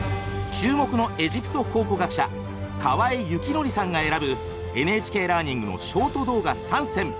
注目のエジプト考古学者河江肖剰さんが選ぶ「ＮＨＫラーニング」のショート動画３選。